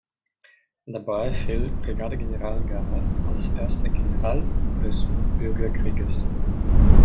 Dabei fiel Brigadegeneral Garnett als erster General des Bürgerkrieges.